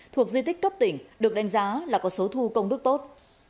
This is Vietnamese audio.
thuộc di tích cấp tỉnh được đánh giá là có số thu công đức tốt